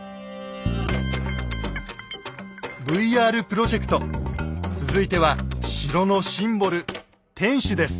ＶＲプロジェクト続いては城のシンボル「天守」です。